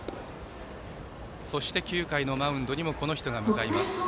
そして９回のマウンドにもこの人が向かいます。